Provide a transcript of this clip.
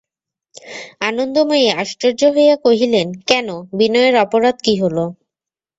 আনন্দময়ী আশ্চর্য হইয়া কহিলেন, কেন, বিনয়ের অপরাধ কী হল?